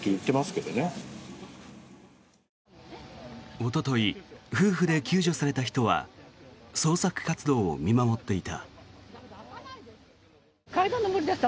おととい夫婦で救助された人は捜索活動を見守っていた。